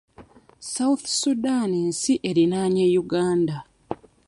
South Sudan nsi erinaanye Uganda.